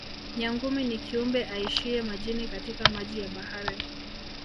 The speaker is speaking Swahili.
Nyangumi ni kiumbe aishiye majini katika maji ya bahari